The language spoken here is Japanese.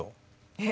えっ！